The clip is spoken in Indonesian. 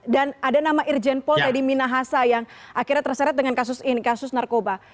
dan ada nama irjen pol teddy minahasa yang akhirnya terseret dengan kasus ini kasus narkoba